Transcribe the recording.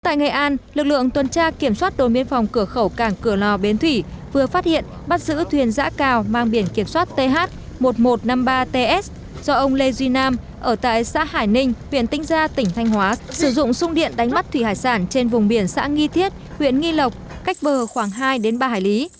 tại nghệ an lực lượng tuần tra kiểm soát đồn biên phòng cửa khẩu cảng cửa lò bến thủy vừa phát hiện bắt giữ thuyền giã cào mang biển kiểm soát th một nghìn một trăm năm mươi ba ts do ông lê duy nam ở tại xã hải ninh huyện tĩnh gia tỉnh thanh hóa sử dụng sung điện đánh mắt thủy hải sản trên vùng biển xã nghi thiết huyện nghi lộc cách bờ khoảng hai ba hải lý